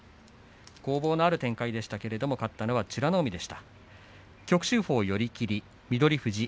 攻防のある展開でしたけど勝ったのは美ノ海です。